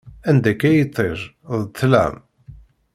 Anda-k a yiṭij, d ṭlam!